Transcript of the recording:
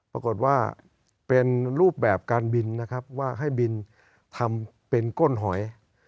ปรากฏว่าเป็นรูปแบบการบินนะครับว่าให้บินทำเป็นก้นหอย